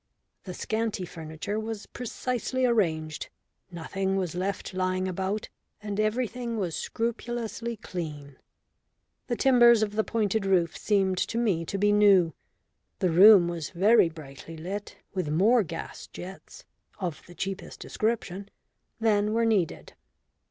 The scanty furniture was precisely arranged, nothing was left lying about, and everything was scrupulously clean. The timbers of the pointed roof seemed to me to be new. The room was very brightly lit, with more gas jets (of the cheapest description) than were needed.